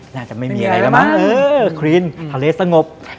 น่าจะไม่มีอะไรแล้วมั้งเออครีนทะเลสงบ